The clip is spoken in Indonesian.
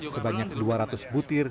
sebanyak dua ratus putir